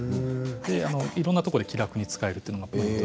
いろんなところで気楽に使えるのがポイントです。